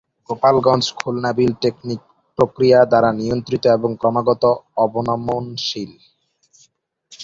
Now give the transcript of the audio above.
গোপালগঞ্জ-খুলনা বিল tectonic প্রক্রিয়া দ্বারা নিয়ন্ত্রিত এবং ক্রমাগত অবনমনশীল।